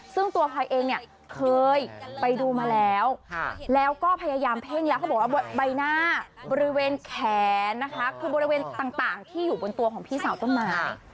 ซึ่งตัวพลอยเองเนี่ยเคยไปดูมาแล้วแล้วก็พยายามเพ่งแล้วเขาบอกว่าใบหน้าบริเวณแขนนะคะคือบริเวณต่างที่อยู่บนตัวของพี่สาวต้นไม้